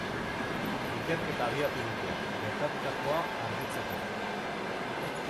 Ikerketa abiatu dute, gertatutakoa argitzeko.